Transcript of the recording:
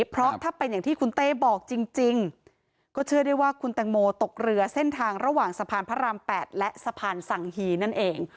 เพราะถ้าเป็นอย่างที่คุณเต้บอกจริงก็เชื่อได้ว่าคุณแตงโมตกเรือเส้นทางระหว่างสะพานพระราม๘และสะพานสังฮีนั่นเอง